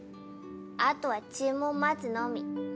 あとは注文を待つのみ。